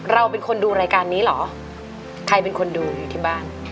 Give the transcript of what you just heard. เราเป็นคนดูรายการนี้เหรอใครเป็นคนดูอยู่ที่บ้าน